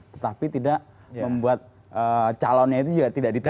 tetapi tidak membuat calonnya itu juga tidak diterima